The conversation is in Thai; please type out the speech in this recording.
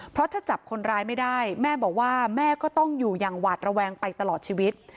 เพราะถ้าจับคนร้ายไม่ได้แม่บอกว่าแม่ก็ต้องอยู่อย่างหวาดระแวงไปตลอดชีวิต